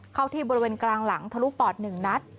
เข้าที่บริเวณกลางหลังทะลุปอด๑นัด